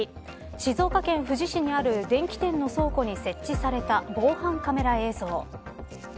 静岡県富士市にある電機店の倉庫に設置された防犯カメラ映像。